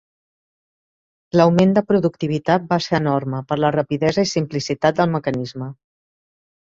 L'augment de productivitat va ser enorme, per la rapidesa i simplicitat del mecanisme.